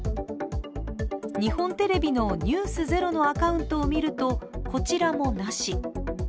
日本テレビの「ｎｅｗｓｚｅｒｏ」のアカウントを見ると、こちらもなし。